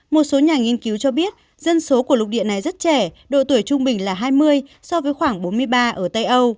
một số nhà nghiên cứu cho biết dân số của lục địa này rất trẻ độ tuổi trung bình là hai mươi so với khoảng bốn mươi ba ở tây âu